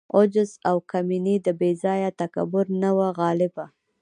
عجز او کمیني د بې ځای تکبر نه وه غالبه.